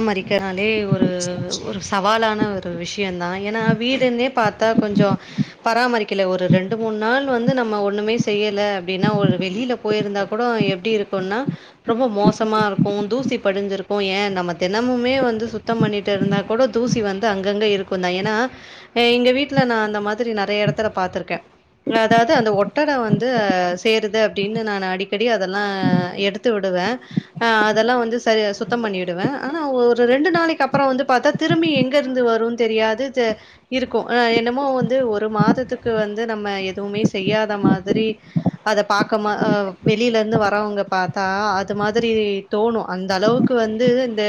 அமரிக்கனாலே ஒரு ஒரு சவாலான ஒரு விஷ்யோதா ஏன்னா வீடுனே பாத்தா கொஞ்சோ பராமரிக்கல ஒரு ரெண்டு மூணு நாள் வந்து நம்ம ஒண்ணுமே செய்யல அப்டின்னா ஒரு வெளில போயிருந்தா கூட எப்டி இருக்குனா ரொம்ப மோசமா இருக்கு தூசி படிஞ்சிருக்கு ஏ நம்ம தெனமுமே வந்து சுத்த பண்ணிட்டு இருந்தா கூட தூசி வந்து அங்கங்க இருக்கு தா ஏனா எங்க வீட்ல நா அந்த மாதிரி நெறைய எடத்துல பாத்ருக்கே அதாவுது அந்த ஒட்டட வந்து சேருது அப்டின்னு நானு அடிக்கடி அதெல்லா எடுத் து விடுவே ஆ அதெல்லா வந்து சரி சுத்தோ பண்ணிடுவே ஆனா ஒரு ரெண்டு நாளைக்கு அப்றோ வந்து பாத்தா திரும்பி எங்கேருந்து வருனு தெரியாது ச இருக்கு ஆ என்னமோ வந்து ஒரு மாதத்துக்கு வந்து நம்ம எதுவுமே செய்யாத மாதிரி அத பாக்கமா வெளில இருந்து வரவங்க பாத்தா அது மாதிரி தோணு அந்த அளவுக்கு வந்து இந்த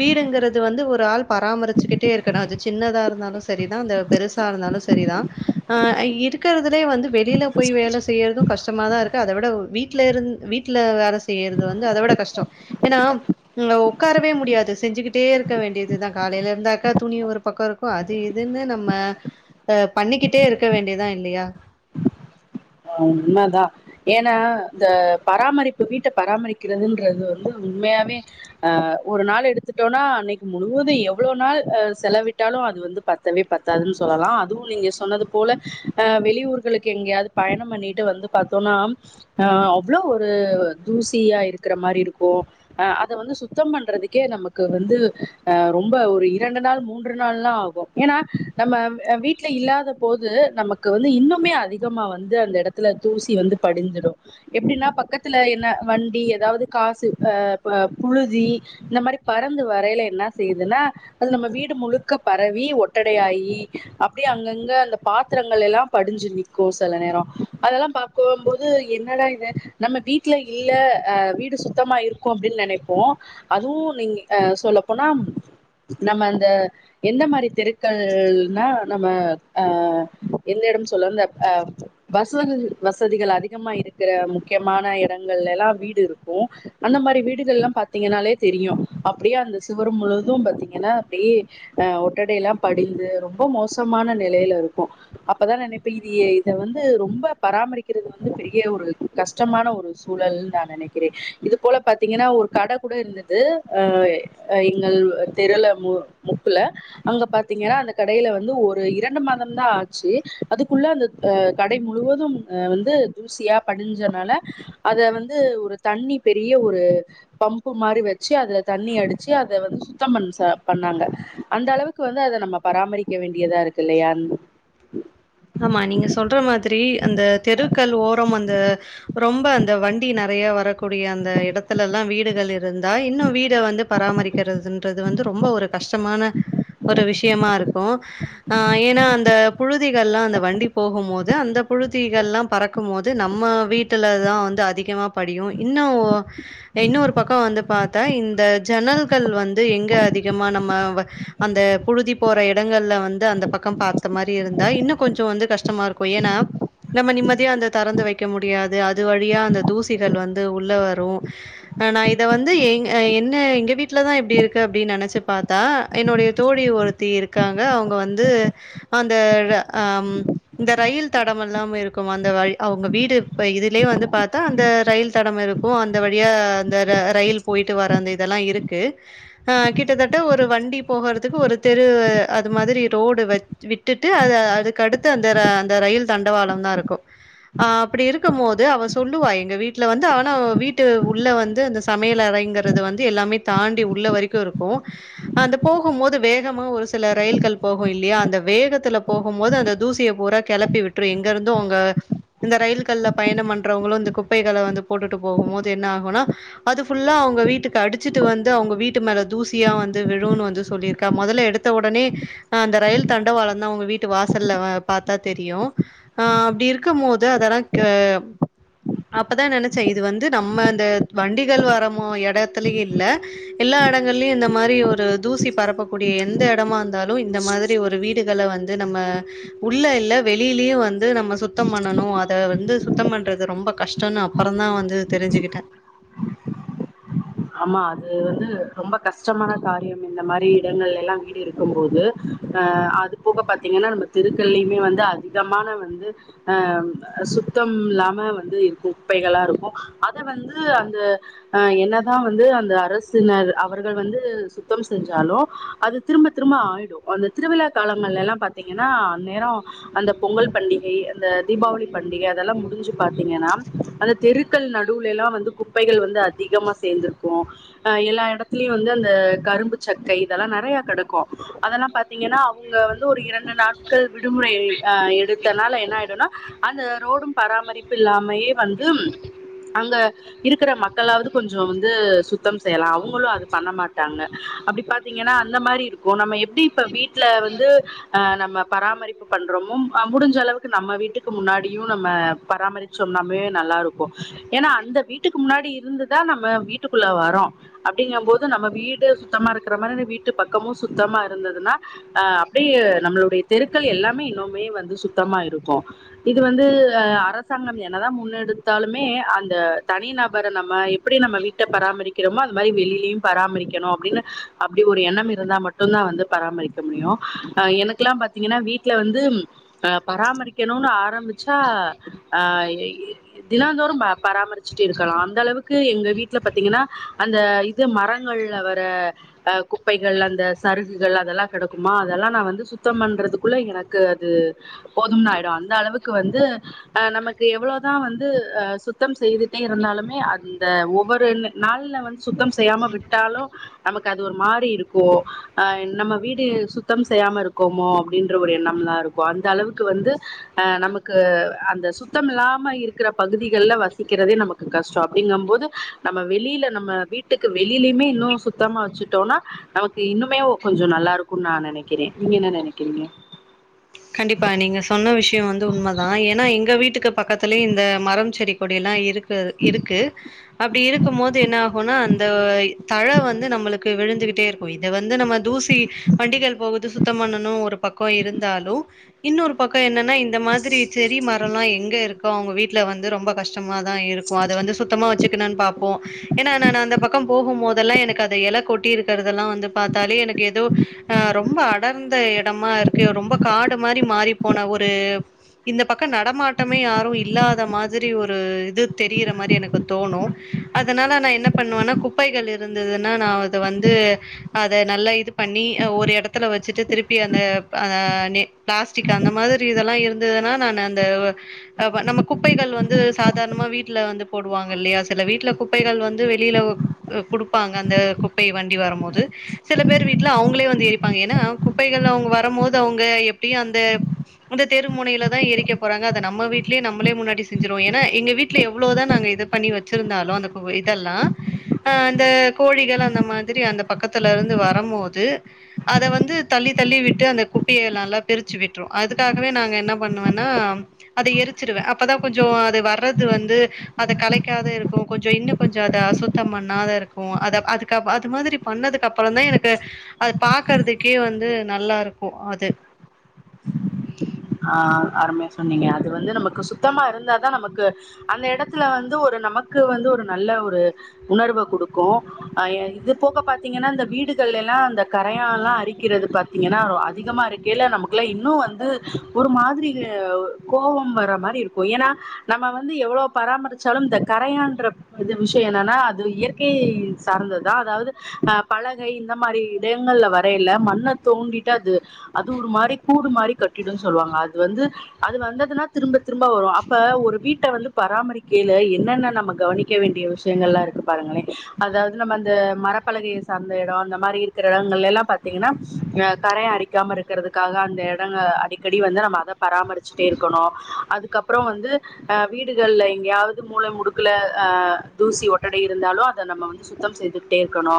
வீடுங்கூறது வந்து ஒரு ஆள் பராமரிச்சுக்கிட்டே இருக்கணு அது சின்னதா இருந்தாலு சரிதா அந்த பெருசா இருந்தாலு சரிதா ஆ இருக்கறதுலே வந்து வெளில போய் வேல செய்றது கஷ்டமா தா இருக்கு அத விட வீட்ல இருந்து வீ ட்ல வேல செய்றது வந்து அத விட கஷ்டோ ஏன்னா ம் ஒக்காரவே முடியாது செஞ்சுக்கிட்டே இருக்க வேண்டியதுதா காலைல இருந்தா அக்கா துணி ஒரு பக்கோ இருக்கு அது இதுன்னு நம்ம அ பண்ணிக்கிட்டே இருக்க வேண்டியதா இல்லியா அது உண்ம தா ஏன்னா இந்த பராமரிப்பு வீட்ட பராமரிக்கிறதுன்றது வந்து உண்மையாவே ஆ ஒரு நாள் எடுத்துட்டோனா அன்னைக்கு முழுவது எவ்ளோ நாள் ஆ செலவிட்டாலு அது வந்து பத் தவே பத்தாதுன்னு சொல்லலா அதுவு நீங்க சொன்னது போல ஆ வெளியூர்களுக்கு எங்கேயாது பயணம் பண்ணிட்டு வந்து பாத்தோனா அ அவ்ளோ ஒரு தூசியா இருக்ற மாறி இருக்கு ஆ அத வந்து சுத்தம் பண்றதுக்கே நமக்கு வந்து ஆ ரொம்ப ஒரு இரண்டு நாள் மூன்று நாள்ல்லா ஆகு ஏன்னா நம்ம வீட்ல இல்லாத போது நமக்கு வந்து இன்னுமே அதிகமா வ வந்து அந்த எடத்துல தூசி வந்து படிஞ்சிடு எப்டினா பக்கத்துல என்ன வண்டி எதாவ்து காசு ஆ இப்ப புழுதி இந்த மாரி பறந்து வரைல என்னா செய்துனா அது நம்ம வீடு முழுக்க பரவி ஒட்டடையாயி அப்டியே அங்கங்க அந்த பாத்தரங்கள் எல்லா படிஞ்சு நிக்கு ஸ் செல நேரோ அதெல்லா பாக்கும்போது என்னடா இது நம்ம வீட்ல இல்ல ஆ வீடு சுத்தமா இருக் க்கு அப்டின் நெனைப்போ அதுவு நீங்க ஆ சொல்லப்போனா நம்ம அந்த எந்த மாரி தெருக்கள்னா நம்ம ஆ எந்த எடம்ன் சொல்லோன் இந்த ஆ பஸ் வததி வசதிகள் அதிகமா இருக்கிற முக்கியமான எடங்கள்லலா வீடு இருக்கு அந்த மாரி வீடுகள்லா பாத்தீங்கனாலே தெரியு அப்டியே அந்த சுவரு முழுவது பாத்தீங்கனா அப்டியே அ ஒட்டடைலா படிந்து ரொம்ப மோசமான நிலையில இருக்கு அப்பதா நெனைப்பே இது ஏ இத வந்து ரொம்ப பராமரிக்கிறது வந்து பெரிய ஒரு கஷ்டமான ஒரு சூழல்னு நா நெனைக்கிறே இது போல பாத்தீங்கனா ஒரு கட கூட இருந் தது ஆய் அ எங்கள் தெருல மு முக்குல அங்க பாத்தீங்கனா அந்த கடைல வந்து ஒரு இரண்டு மாதம்தா ஆச்சு அதுக்குள்ள அந்த அ கடை முழுவதும் அ வந்து தூசியா படிஞ்சனால அத வந்து ஒரு தண்ணி பெரிய ஒரு பம்ப்பு மாரி வெச்சு அதுல தண்ணி அடிச்சு அத வந்து சுத்தம் பண் ச பண்ணாங்க அந்த அளவுக் க்கு‌ வந்து அத நம்ம பராமரிக்க வேண்டியதா இருக்கு இல்லையா ஆமா நீங்க சொல்ற மாதிரி அந்த தெருக்கள் ஓரம் அந்த ரொம்ப அந்த வண்டி நெறைய வரக் கூடிய அந்த எடத்துலலா வீடுகள் இருந்தா இன்னு வீட வந்து பராமரிக்கிறதுன்றது வந்து ரொம்ப ஒரு கஷ்டமான ஒரு விஷ்யமா இருக்கு ஆ ஏனா அந்த புழுதி ல்ல வண்டி போகும் போது அந்த புழுதிகள்லா பறக்கும் போது நம்ம வீட்டுல தா வந்து அதிகமா படியு இன்னு இன்னு ஒரு பக்க வந்து பாத்தா இந்த ஜன்னல்கள் வந்து எங்க அதிகமா நம்ம வ அந்த புழுதி போற எடங்கள்ல வந்து அந்த பக்க பாத்த மாரி இருந் த இன்னு கொஞ்ச வந்து கஷ்டமா இருக்கு ஏனா நம்ம நிம்மதியா அந்த தெறந்து வெக்க முடியாது அது வழியா அந்த தூசிகள் வந்து உள்ள வரு அ நா இத வந்து எங் அ என்ன எங்க வீட்லதா இப்டி இருக்கு அப்டின் நெனச்சு பாத்தா என்னுடைய தோழி ஒரு த்தி இருக்காங்க அவ்ங்க வந்து அந்த ழ அம் இந்த ரயில் தடமெல்லாம் இருக்கும் அந்த வழி அவ்ங்க வீடு இப்ப இதுலயே வந்து பாத்தா அந்த ரயில் தடம் இருக் க்கு அந்த வழியா அந்த ர ரயில் போயிட்டு வர அந்த இதெல்லா இருக்கு அ கிட்டத்தட்ட ஒரு வண்டி போகறதுக்கு ஒரு தெரு அது மாதிரி ரோடு வச் விட்டுட்டு அத அதுக்கடுத்து அந்த ர அந்த ரயில் தண்டவாளம் தா இருக்கு அ அப்டி இருக்கும் போது அவ சொல்லுவா எங்க வீட்ல வந்து ஆனா வீட்டு உள்ள வந்து அந்த சமையலறைங்கிறது வந்து எல்லாமே தாண்டி உள்ள வரைக்கு இருக்கு அந்த போகும் போது வேகமா ஒரு சில ரயில்கள் போகு இல்லையா அந்த வேகத் த்துல போகும் போது அந்த தூசிய பூரா கெளப்பி விட்ரு எங்க இருந்து அங்க இந்த ரயில்கள்ல பயணம் பண்றவ்ங்களு இந்த குப்பைகள வந்து போட்டுட்டு போகும் போது என்ன ஆகுனா அது ஃபுல்லா அவ்ங்க வீட்டுக்கு அடிச்சிட்டு வந்து அவ்ங்க வீட்டு மேல தூசியா வந்து விழுனு வந்து சொல்லிருக்கா மொதல்ல எடுத் த்த ஓடனே ஆ அந்த ரயில் தண்டவாளந் தா அவ்ங்க வீட்டு வாசல்ல பாத்தா தெரியு ஆ அப்டி இருக்குமோது அதெல்லா க அப்பதா நெனச்சே இது வந்து நம்ம இந்த வண்டிகள் வரமோ எடத்துலயு இல்ல எல்லா எடங்கள்லயு இந்த மாரி ஒரு தூசி பரப்பக்கூடிய எந்த எடமா இருந்தாலு இந்த மாதிரி ஒரு வீட் அம்மிக்கல்ல வந்து நம்ம உள்ள இல்ல வெளிலயு வந்து நம்ம சுத்தம் பண்ணணு அத வந்து சுத்தம் பண்றது ரொம்ப கஷ்டம்னு அப்புறதா வந்து தெரிஞ்சுக்கிட்டே ஆமா அது வந்து ரொம்ப கஷ்டமான காரியம் இந்த மாரி இடங்கள்ல எல்லா வீடு எடுக்கும்போது அ அது போக பாத்தீங்கன்னா நம்ம தெருக்கள்ளயுமே வந்து அதிகமான வந்து அ சுத்தம் இல்லாம வந்து இருக்கு குப்பைகளா இருக்கு அத வந்து அந்த அ என்னதா வந்து அந்த அரசினர் அவர்கள் வந்து சுத்தம் செஞ்சாலு அது திரும்ப திரும்ப ஆயிடு அந்த திருவிழா காலங்கள்ல்லா பார்த்தீங்கன்னா அந் நேர அந்த பொங்கல் பண்டிகை அந்த தீபாவளி பண்டிகை அதெல்லா முடிஞ்சு பாத்தீங்கனா அந்த தெருக்கள் நடுவுல எல்லா வந்து குப்பைகள் வந்து அதிகமா சேர்ந்திருக்கு அ எல்லா இடத்துலயு வந்து அந்த கரும்பு சக்கை இதெல்லா நெறைய கெடக்கு அதெல்லா பாத்தீங்கனா அவங்க வந்து ஒரு இரண்டு நாட்கள் விடுமுறை அ எடுத்தனால என்ன ஆயிடுனா அந்த ரோடு பராமரிப்பு இல்லாமையே வந்து அங்க இருக்கிற மக்களாவது கொஞ்ச கொஞ்சோ வந்து சுத்தம் செய்யலா அவுங்களு அது பண்ண மாட்டாங்க அப்டி பாத்தீங்கனா அந்த மாரி இருக் கு நம்ம எப்டி இப்ப வீட்ல வந்து ஆ நம்ம பராமரிப்பு பண்றோமோ முடிஞ்ச அளவுக்கு நம்ம வீட்டுக்கு முன்னாடியு நம்ம பராமரி ச்சோம் நாமே நல்லா இருக்கு ஏனா அந்த வீட்டுக்கு முன்னாடி இருந்துதா நம்ம வீட்டுக்குள்ள வரோ அப்டிங்க போது நம்ம வீடு சுத்தமா இருக்கற மாரி வீட்டு பக்கமு சுத்தமா இருந்துதுன்னா அ அப்டியே நம்மளுடைய தெருக்கள் எல்லாமே இன்னுமே வந்து சுத்தமா இருக்கு இது வந்து அரசாங்கம் என்னதா முன்னெடுத்தாலுமே அந்த தனி நபர நம்ம எப்டி நம்ம வீட்ட பராமரிக்கிறோமோ அந்த மாரி வெளிலயு பராமரிக்கணு அப்டின்னு அப்டி ஒரு எண்ணம் இருந்தா ம ட்டும் தா வந்து பராமரிக்க முடியு அ எனக்கெலா பாத்தீங்கனா வீட்ல வந்து அ பராமரிக்கணுனு ஆரம்பிச்சா ஆ தினாந்தோறு பராமரிச்சுட்டு இருக்கலா அந்த அளவுக் கு எங்க வீட்ல பாத்தீங்கனா அந்த இது மரங்கள்ல வர அ குப்பைகள் அந்த சருகுகள் அதெல்லா கிடைக்குமா அதெல்லா நா வந்து சுத்தம் பண்றதுக்குள்ள எனக்கு அது போதும்னு ஆயிடு அந்த அளவுக்கு வந்து அ நமக்கு எவ்ளோதா வந்து அ சுத்தம் செய்துட்டே இருந்தாலுமே அது அந்த ஒவ்வொரு நாள்ல வந்து சுத்தம் செய்யாம விட்டாலு நமக்கு அது ஒரு மாறி இருக்கு அ நம்ம வீடு சுத்தம் செய்யாம இருக்கோமோ அப்டின்ற ஒரு எண்ணம்லா இருக்கு அந்த அளவுக்கு வந்து அ நமக்கு அந்த சுத்தம் இல்லாம இருக்கிற பகுதிகள்ல வசிக்கிறதே நமக்கு கஷ்டோ அப்டிங்க போது நம்ம வெளில நம்ம வீட்டுக்கு வெளிலியுமே இன்னு சுத்தமா வச்சுட்டோனா நமக்கு இன்னுமே கொஞ்ச நல்லா இருக்குனு நா நெனைக்கிறே நீங்க என்ன நெனைக்கிறீங்க கண்டிப்பா நீங்க சொன்ன விஷயம் வந்து உண்மைதா ஏனா எங்க வீட்டுக்கு பக்கத்துலயு இந்த மரம் செடி கொடியெல்லா இருக்கு இருக்கு அப்டி இருக்கும் போது என்னாகுனா அந்த தழ வந்து நம்மளுக்கு விழுந்துகிட்டே இருக்கு இத வந்து நம்ம தூசி வண்டிகள் போகுது சுத்தம் பண்ணணு ஒரு பக்கம் இருந்தாலு இன்னொரு பக்கோ என்னன்னா இந்த மாதிரி செறி மரொல்லா எங்க இருக்கோ அவங்க வீட்ல வந்து ரொம்ப கஷ்டம் கஷ்டமாதா இருக்கு அத வந்து சுத்தமா வச்சுக்குணானு பாப்போ ஏன்னா நான் அந்த பக்கம் போகும்போதெல்லா எனக்கு அந்த இலை கொட் டிருக்கறதெல்லா வந்து பாத்தாலே எனக்கு ஏதோ அ ரொம்ப அடர்ந்த இடமா இருக்கு ரொம்ப ஒரு மாரி மாறி போன ஒரு இந்த பக்கம் நடமாட்டமே யாரு இல்லாத மாதிரி ஒரு இது தெரியிற மாரி எனக்கு தோணு அதனால நா என்ன பண்ணுவன்னா குப்பைகள் இருந்ததுன்னா நா அத வந்து அத நல்லா இது பண்ணி ஒரு இடத்துல வச்சுட்டு திருப்பி அந்த அ நே பிளாஸ்டிக் அந்த மாதிரி இதெல்லா இருந்ததுன்னா நானு அந்த அ நம்ம குப்பைகள் வந்து சாதாரணமா வீட்டுல வந்து போடுவாங்க இல்லையா சில வீட்டுல குப்பைகள் வந்து வெளியில உ குடுப்பாங்க அந்த குப்பைய வண்டி வரும் போது சில பேரு வீட்டுல அவுங்களே வந்து ஏறிப்பாங்க ஏனா குப்பைகள்ல அவுங்க வரும்போது அவுங்க எப்டியு அந்த அந்தத்தெரு முனையில தா எரிக்க போறாங்க அத நம்ம வீட்லயே நம்மளே முன்னாடி செஞ்சுருவோ ஏனா எங்க வீட்டுல எவ்ளோதா நாங்க இத பண்ணி வச்சிருந்தாலு அந்த கூவு இதெல்லா அ அந்த கோழிகள் அந்த மாதிரி அந்த பக்கத்துல இருந்து வரமோது அத வந்து தள்ளி தள்ளி விட்டு அந்த கு ப்பைய நல்லா பிரிச்சு விட்டுரு அதுக்காகவே நாங்க என்ன பண்ணுவேன்னா அத எரிச்சிருவே அப்பதா கொஞ்சோ அது வர்றது வந்து அத கலைக்காத இருக்கு கொஞ்சோ இன்னு கொஞ்சோ அத அசுத்தம் பண்ணாத இருக்கு அத அதுக்கப் அது மாதிரி பண்ணதுக்கு அப்புறோ தா எனக்கு அது பாக்குறதுக்கே வந்து நல்லா இருக்கு அ து ஆ அருமையா சொன்னீங்க அது வந்து நமக்கு சுத்தமா இருந்தாதா நமக்கு அந்த இடத்துல வந்து ஒரு நமக்கு வந்து ஒரு நல்ல ஒரு உணர்வ குடுக்கு அ இது போக பாத்தீங்கன்னா இந்த வீடுகள்ல எல்லா அந்த கரையா எல்லா அரிக்கிறது பாத் பாத்தீங்கன்னா அதிகமா இருக்கேல நமக்குலா இன்னு வந்து ஒரு மாதிரி இது கோவம் வர்ர மாதிரி இருக்கு ஏனா நம்ம வந்து எவ்ளோ பராமரிச்சாலு இந்த கரையான்ற இது விஷ்யோ என்னன்னா அது இயற்கை சார்ந்ததுதா அதாது அ பலகை இந்த மாதிரி இடயங்கள்ல வரையல மண்ணை தோண்டிட்டுதா இது அது ஒரு மாரி கூடு மாரி கட்டிடுனு சொல்லுவாங்க அது வந்து அது வந்ததுன்னா திரும்ப திரும்ப வரும் அப்ப ஒரு வீட்ட வந்து பராமரிக்கையல என்னென்ன நம்ம கவனி க்க வேண்டிய விஷ்யங்கள் எல்லா இருக்கு பாருங்களே அதாது நம்ம அந்த மரப்பலகைய சார்ந்த இடம் அந்த மாதிரி இருக்கிற இடங்கள்ல எல்லா பாத்தீங்கன்னா கரையா அறிக க்காம இருக்கிறதுக்காக அந்த எடங்க அரி செடி வந்தா நம்ம அத பராமரிச்சுட்டே இருக்கணு அதுக்கப்புறோ வந்து அ வீடுகள்ல எங்கயாது மூல முடுக்குல அ தூசி ஒட்டடை இருந்தாலு அத நம்ம வந்து சுத்தம் செய்துகிட்டே இருக்கணு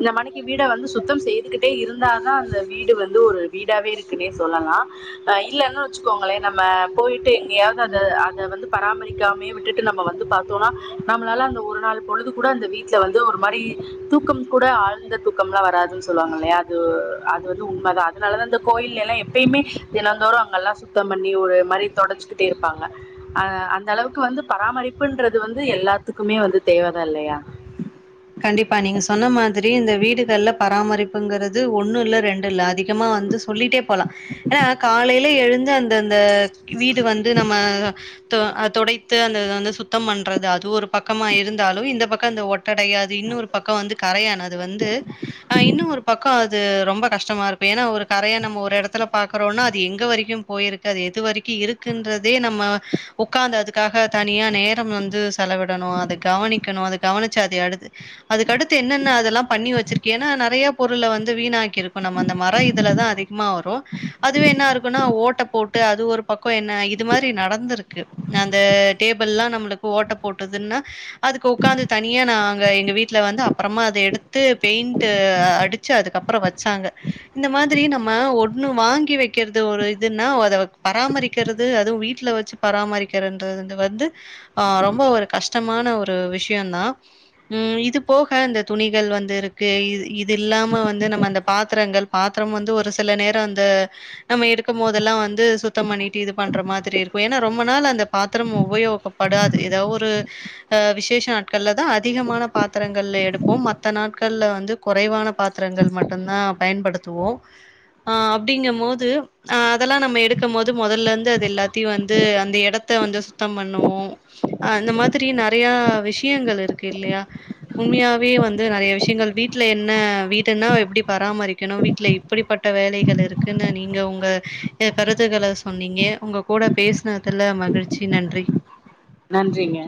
இந்த மானைக்கி வீட வந்து சுத்தம் செய்துகிட்டே இருந்தாதா அந்த வீடு வந்து ஒரு வீடாவே இருக்குன்னே சொல்லலா அ இல்லன்னு வச்சுக்கோங்களே நம்ம போயிட்டு எங்கயாது அத அத வந்து பராமரிக்காமே விட்டுட்டு நம்ம வந்து பாத்தோம்னா நம்மளால அந்த ஒரு நாள் பொழுது கூட அந்த வீட்டுல வந்து ஒரு மாரி தூக்கம் கூட ஆழ்ந்த தூக்கம் எல்லா வராதுன்னு சொல்லுவாங்க இல்லையா அது அது வந்து உண்மதா அதனாலதா இந்த கோயில்லலா எப்பயுமே தினந்தோறு அங்கெல்லா சுத்தம் பண்ணி ஒரு மாதிரி தொடச்சுக்கிட்டே இருப்பாங்க அது அந்த அளவுக்கு வந்து பராமரிப்புன்றது வந்து எல்லாத்துக்குமே வந்து தேவைதா இல்லையா கண்டிப்பா நீங்க சொன்ன மாதிரி இந்த வீடுகள்ல பராமரிப்புங்கிறது ஒன்னு இல்ல ரெண்டு இல்ல அதிகமா வந்து சொல்லிட்டே போலா ஏனா காலையில எழுந்து அந்த அந்த வீடு வந்து நம்ம தொ அ தொடைத்து அந்த இது வந்து சுத்தம் பண்றது அது ஒரு பக்கமா இருந்தாலு இந்த பக்கோ இந்த ஒட்டடையாது இன்னொரு பக்க வந்து கரையான் அது வந்து அ இன்னு ஒரு பக்கோ அது ரொம்ப கஷ்டமா இருக்கு ஏனா ஒரு கரையா நம்ம ஒரு எடத்துல பாக்கறோன்னா அது எங்க வரைக்கு போயிருக்கு அது எது வரைக்கு இருக்குன்றதே நம்ம ஒக்கார்ந்து அதுக்காக தனியா நேரம் வந்து செலவிடணு அத கவனிக்கணு அத கவனிச்சு அத அடுத்து அதுக்கடுத்து என்னன்ன அதெல்லா பண்ணி வச்சிருக்கு ஏனா நறையா பொருள வந்து வீணாக் இது பண்ணாம அந்த மரோ இதுலதா அதிகமா வரு அதுவே என்ன இருக்குன்னா ஓட்ட போட்டு அது ஒரு பக்கோ என்ன இது மாதிரி நடந்திருக்கு அந்த டேபிள்ல்லா நம்மளுக்கு ஓட்ட போட்டதுன்னா அதுக்கு உக்காந்து தனியா நா எங்க வீட்டுல வந்து அப்பறமா அத எடுத்து பெயிண்ட் அடிச்சு அதுக்கப்புறோ வெச்சாங்க இந்த மாதிரி நம்ம ஒன்னு வாங்கி வைக்கிறது ஒரு இதுன்னா அத பராமரிக்கிறது அதுவும் வீட்ல வெச்சு பராமரிக்கிறதுன்றது வந்து அ ரொம்ப ஒரு கஷ்டமான ஒரு விஷயோ தா ம் இது போக அந்த துணிகள் வந்து இருக்கு இது இல்லாம வந்து நம்ம அந்த பாத்திரங்கள் பாத்திரம் வந்து ஒரு சில நேரோ அந்த நம்ம இருக்கோ போதெல்லா வந்து சுத்தம் பண்ணிட்டு இது பண்ற மாதிரி இருக்கோ ஏன்னா ரொம்ப நாள் அந்த பாத்திரம் உபயோகப் படாது ஏதாவது ஒரு அ விசேஷ நாட்கள்லதா அத் திகமான பாத்திரங்கள் எடுப்போ மத்த நாட்கள்ல வந்து குறைவான பாத்திரங்கள் மட்டும்தா பயன்படுத்தி த்துவோம் அ அப்படிங்க போது அதெல்லா நம்ம எடுக்கும் போது முதல்ல இருந்து அது எல்லாத்தையும் வந்து அந்த எடத்த வந்து சுத்தே பண்ணுவோ அ அந்த மாதிரி நறயா விஷயங்கள் இருக்கு இல்லையா உண்மையாவே வந்து நறய விஷயங்கள் வீட்டுல என்ன வீடன்னா எப்டி பராமரிக்கணோ வீட்ல இப் அப்படிப்பட்ட வேலைகள் இருக்குன்னு நீங்க உங்க கருத்துகளை சொன்னீங்க உங்க கூட பேசினதுல மகிழ்ச்சி நன்றி நன்றிங்க